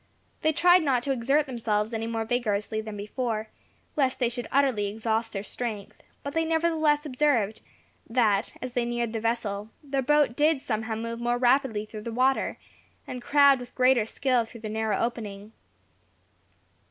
They tried not to exert themselves any more vigorously than before, lest they should utterly exhaust their strength, but they nevertheless observed, that as they neared the vessel, their boat did somehow move more rapidly through the water, and crowd with greater skill through the narrow opening.